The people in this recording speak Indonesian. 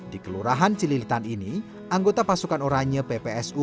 di kelurahan cililitan ini anggota pasukan oranye ppsu